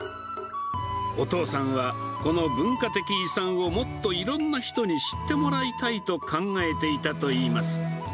お父さんは、この文化的遺産をもっといろんな人に知ってもらいたいと考えていたといいます。